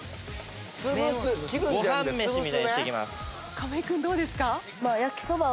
亀井君どうですか？